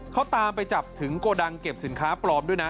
เขาตามไปจับถึงโกดังเก็บสินค้าปลอมด้วยนะ